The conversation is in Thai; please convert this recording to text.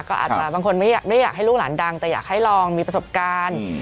ก็อาจจะบางคนไม่ได้อยากให้ลูกหลานดังแต่อยากให้ลองมีประสบการณ์